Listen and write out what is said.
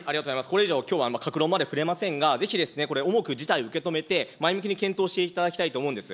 これ以上、きょうは各論まで触れませんが、ぜひこれ、重く事態受け止めて、前向きに検討していただきたいと思うんです。